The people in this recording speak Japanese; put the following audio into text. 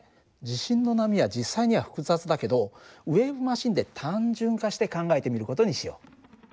地震の波は実際には複雑だけどウエーブマシンで単純化して考えてみる事にしよう。